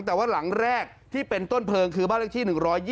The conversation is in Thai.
แต่ว่าหลังแรกที่เป็นต้นเพลิงคือบ้านเลขที่๑๒๒